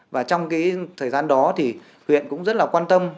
và trong cái thời gian đó thì huyện cũng rất là quan tâm